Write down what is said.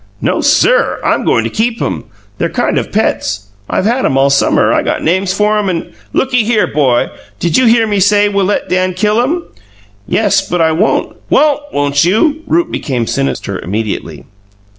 "No, SIR! I'm goin' to keep 'em. They're kind of pets; I've had 'em all summer I got names for em, and " "Looky here, 'bo. Did you hear me say we'll let 'Dan kill 'em?" "Yes, but I won't " "WHAT won't you?" Rupe became sinister immediately.